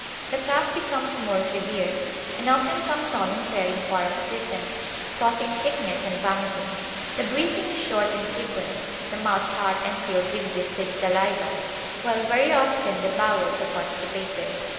The cough becomes more severe, and often comes on in tearing paroxysms, causing sickness and vomiting. The breathing is short and frequent, the mouth hot and filled with viscid saliva, while very often the bowels are constipated.